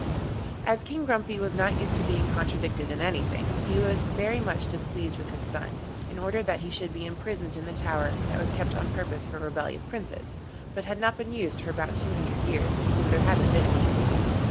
As King Grumpy was not used to being contradicted in anything, he was very much displeased with his son, and ordered that he should be imprisoned in the tower that was kept on purpose for rebellious Princes, but had not been used for about two hundred years, because there had not been any.